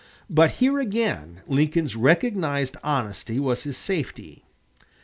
But here again Lincoln's recognized honesty was his safety.